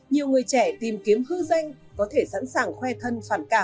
nhiều người trẻ tìm kiếm hư danh có thể sẵn sàng khoe thân phản cảm